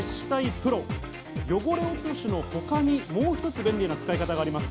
ＰＲＯ、汚れ落としのほかに、もう一つ便利な使い方があります。